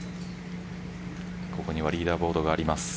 ここにはリーダーボードがあります。